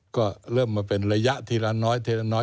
ก็เริ่มมาเป็นระยะทีละน้อยทีละน้อย